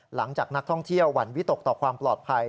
หลังจากนักท่องเที่ยวหวั่นวิตกต่อความปลอดภัย